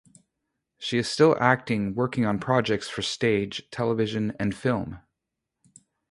She is still acting working on projects for stage, television and film.